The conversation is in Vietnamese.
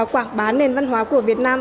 quảng bá nền văn hóa của việt nam